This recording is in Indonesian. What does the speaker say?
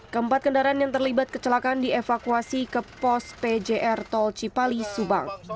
keempat kendaraan yang terlibat kecelakaan dievakuasi ke pos pjr tol cipali subang